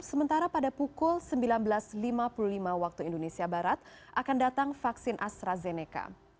sementara pada pukul sembilan belas lima puluh lima waktu indonesia barat akan datang vaksin astrazeneca